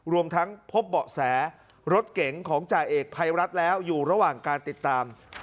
รวมทั้งพบเบาะแสรถเก๋งของจ่าเอกภัยรัฐแล้วอยู่ระหว่างการติดตาม